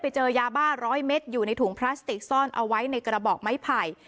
ไปเจอยาบ้าร้อยเม็ดอยู่ในถุงพลาสติกซ่อนเอาไว้ในกระบอกไม้ไผ่